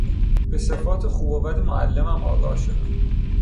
به صفات خوب و بد معلمم آگاه شدم.